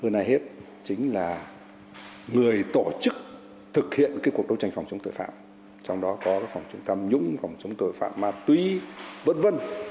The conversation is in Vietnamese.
hơn ai hết chính là người tổ chức thực hiện cuộc đấu tranh phòng chống tội phạm trong đó có phòng chống tham nhũng phòng chống tội phạm ma túy v v